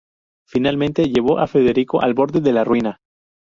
Finalmente, llevó a Federico al borde de la ruina.